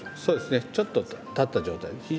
そうですねちょっと立った状態で。